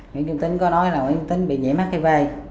nguyễn tính có nói là nguyễn tính bị nhiễm hiv